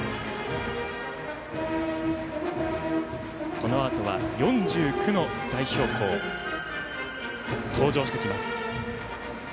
このあとは４９の代表校が登場してきます。